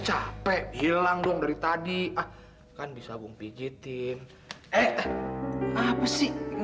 capek bos capek hilang dong dari tadi kan bisa bung pijitin eh apa sih